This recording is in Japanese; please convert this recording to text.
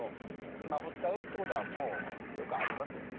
スマホ使うってことはもうよくありますよね？